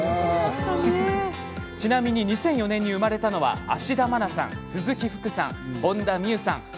ちなみに２００４年に生まれたのは芦田愛菜さん、鈴木福さん本田望結さん。